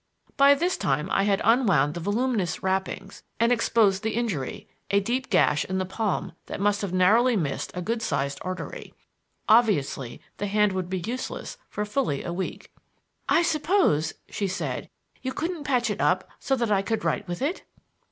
By this time I had unwound the voluminous wrappings and exposed the injury a deep gash in the palm that must have narrowly missed a good sized artery. Obviously the hand would be useless for fully a week. "I suppose," she said, "you couldn't patch it up so that I could write with it?"